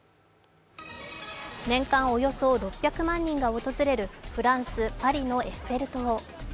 年間およそ６００万人が訪れるフランス・パリのエッフェル塔。